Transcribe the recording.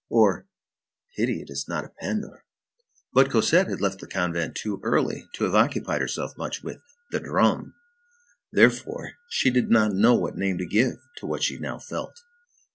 _ or, Pity is not a pandour. But Cosette had left the convent too early to have occupied herself much with the "drum." Therefore, she did not know what name to give to what she now felt.